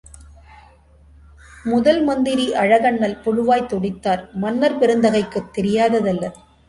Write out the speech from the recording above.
முதல் மந்திரி அழகண்ணல் புழுவாய்த் துடித்தார். மன்னர் பெருந்தகைக்குத் தெரியாததல்ல.